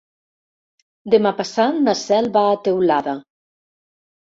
Demà passat na Cel va a Teulada.